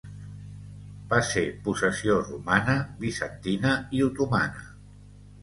Va ser possessió romana, bizantina i otomana.